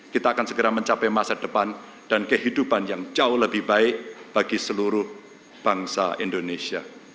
kita akan segera mencapai masa depan dan kehidupan yang jauh lebih baik bagi seluruh bangsa indonesia